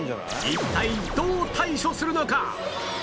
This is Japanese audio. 一体どう対処するのか？